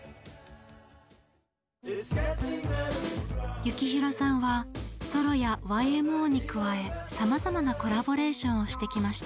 幸宏さんはソロやＹＭＯに加えさまざまなコラボレーションをしてきました。